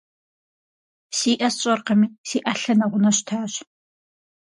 Си ӏэ сщӏэркъыми, си ӏэлъэ нэгъунэ щтащ.